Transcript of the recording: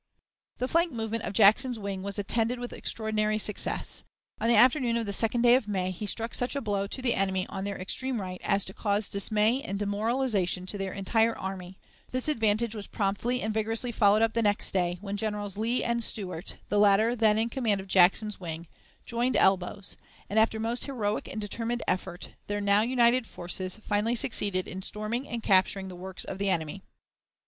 "The flank movement of Jackson's wing was attended with extraordinary success. On the afternoon of the 2d of May, he struck such a blow to the enemy on their extreme right as to cause dismay and demoralization to their entire army; this advantage was promptly and vigorously followed up the next day, when Generals Lee and Stuart (the latter then in command of Jackson's wing) joined elbows; and, after most heroic and determined effort, their now united forces finally succeeded in storming and capturing the works of the enemy.